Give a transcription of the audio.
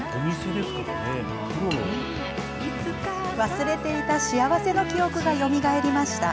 忘れていた幸せの記憶がよみがえりました。